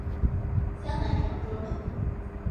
江南长洲人。